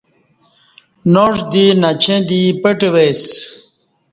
ناݜ دی نچیں دے پٹہ وے سہ